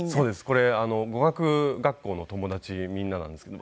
これ語学学校の友達みんななんですけど。